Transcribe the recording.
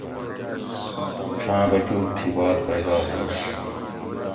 چھاں بچُوگ تھی باد پیدا ہیش